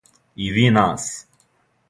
И ви нас.